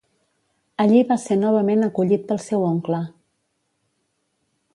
Allí va ser novament acollit pel seu oncle.